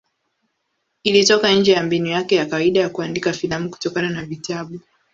Ilitoka nje ya mbinu yake ya kawaida ya kuandika filamu kutokana na vitabu.